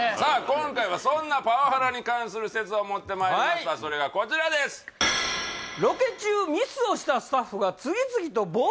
今回はそんなパワハラに関する説を持ってまいりましたそれがこちらですお願いします